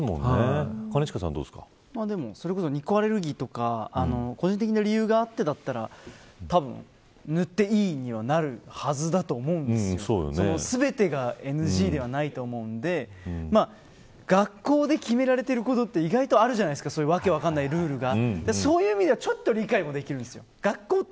日光アレルギーとか個人的な理由があってだったら塗っていい、となるはずだと思うんですけど全てがＮＧではないと思うので学校で決められていること意外とあるじゃないですか訳分からないルールとかそういう意味ではちょっと理解もできるんです。